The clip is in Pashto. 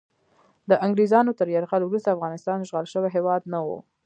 د انګریزانو تر یرغل وروسته افغانستان اشغال شوی هیواد نه و.